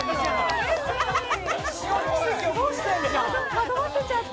惑わせちゃった。